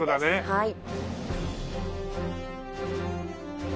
はい。